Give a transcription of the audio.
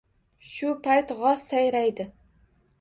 Shu payt g‘oz sayraydi.